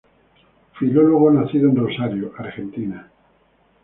Filólogo nacido en Rosario, Argentina.